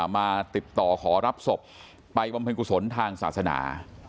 มาติดต่อขอรับศพไปบำเพ็ญกุศลทางศาสนา